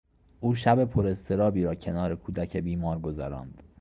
او شب پر اضطرابی را کنار کودک بیمار گذراند.